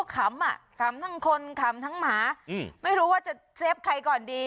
ขำอ่ะขำทั้งคนขำทั้งหมาไม่รู้ว่าจะเซฟใครก่อนดี